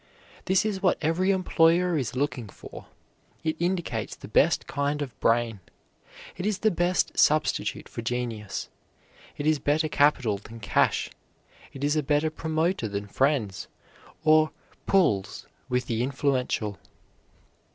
This is what every employer is looking for. It indicates the best kind of brain; it is the best substitute for genius; it is better capital than cash; it is a better promoter than friends, or "pulls" with the influential.